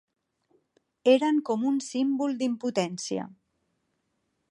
Eren com un símbol d'impotència